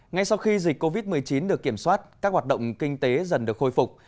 ngay sau khi dịch covid một mươi chín được kiểm soát các hoạt động kinh tế dần được khôi phục